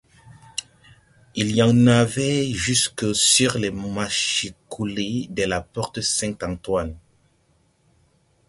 Il y en avait jusque sur les mâchicoulis de la porte Saint-Antoine.